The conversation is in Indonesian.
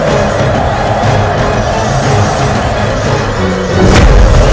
dan menghentikan raiber